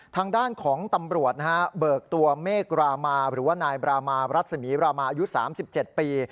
ทางด้านของตำรวจนะฮะเบิกตัวเมฆรามาหรือว่านายบรามารัศมีรามาอายุ๓๗ปี